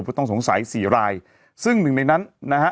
ต้องสงสัยสี่รายซึ่งหนึ่งในนั้นนะฮะ